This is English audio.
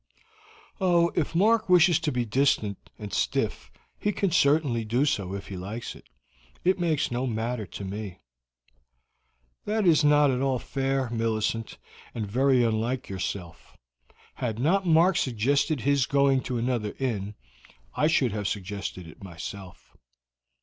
"Oh, if Mark wishes to be distant and stiff he can certainly do so if he likes it. It makes no matter to me." "That is not at all fair, Millicent, and very unlike yourself. Had not Mark suggested his going to another inn, I should have suggested it myself."